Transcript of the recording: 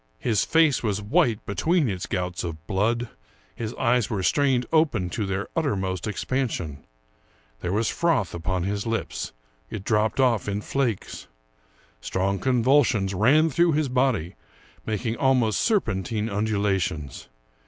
His face was white between its gouts of blood ; his eyes were strained open to their uttermost expansion. There was froth upon his lips ; it dropped off in flakes. Strong convulsions ran through his body, making almost serpentine undulations.